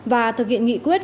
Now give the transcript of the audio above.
và thực hiện nghị quyết